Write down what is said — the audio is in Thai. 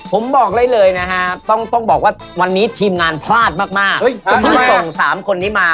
ผมบอกได้เลยนะฮะต้องบอกว่าวันนี้ทีมงานพลาดมากจนที่ส่ง๓คนนี้มา